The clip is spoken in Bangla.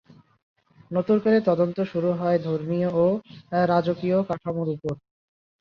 নতুন করে তদন্ত শুরু হয় ধর্মীয় ও রাজকীয় কাঠামোর উপর।